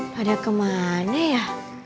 pada kemana ya